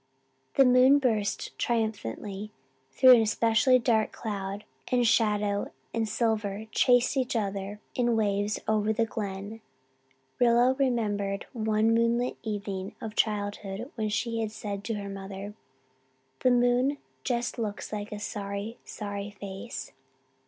The moon burst triumphantly through an especially dark cloud and shadow and silver chased each other in waves over the Glen. Rilla remembered one moonlit evening of childhood when she had said to her mother, "The moon just looks like a sorry, sorry face."